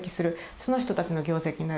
その人たちの業績になる。